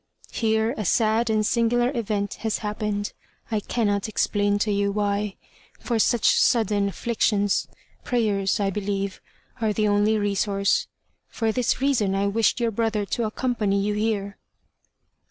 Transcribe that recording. "Here a sad and singular event has happened; I cannot explain to you why. For such sudden afflictions prayers, I believe, are the only resource. For this reason I wished your brother to accompany you here."